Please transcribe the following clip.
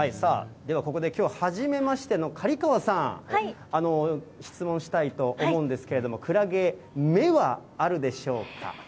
ではここで、きょうはじめましての刈川さん、質問したいと思うんですけれども、クラゲ、目はあるでしょうか。